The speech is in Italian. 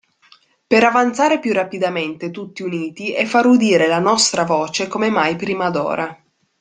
Per avanzare più rapidamente tutti uniti e far udire la nostra voce come mai prima d'ora.